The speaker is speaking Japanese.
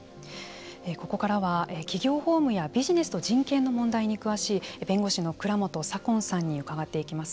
ここからは企業法務やビジネスと人権の問題に詳しい弁護士の蔵元左近さんに伺っていきます。